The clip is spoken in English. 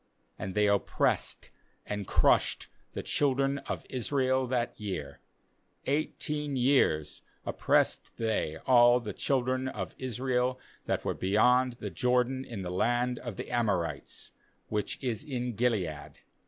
8And they oppressed and crushed the children of Israel that year ; eighteen years [oppressed they] all the children of Israel that were beyond the Jordan in the land of the Amorites, which is in Gilead.